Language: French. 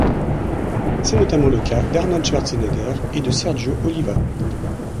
C'est notamment le cas d'Arnold Schwarzenegger et de Sergio Oliva.